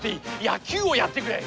野球をやってくれ。